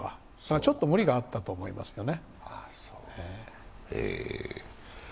ちょっと無理があったと思いますよね。